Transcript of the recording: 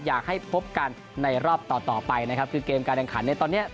อยากให้พบกันในรอบต่อต่อไปนะครับคือเกมการแข่งขันในตอนเนี้ย